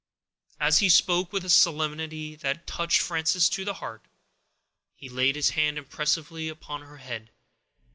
As he spoke, with a solemnity that touched Frances to the heart, he laid his hand impressively upon her head.